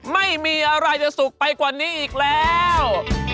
ไม่มีอะไรจะสุกไปกว่านี้อีกแล้ว